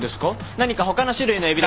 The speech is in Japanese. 何か他の種類のエビで。